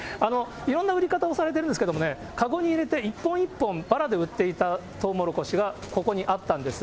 いろんな売り方をされてるんですけどもね、籠に入れて一本一本バラで売っていたとうもろこしがここにあったんです。